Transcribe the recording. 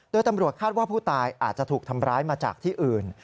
โดยตำรวจคาดว่าผู้ตายอาจจะถูกทำร้ายมาจากที่อื่น